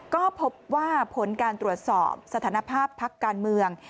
ก็พบว่าผลการตรวจสอบสถานภาพพักการเมือง